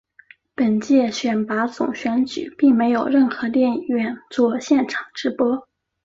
本届选拔总选举并没有任何电影院作现场直播。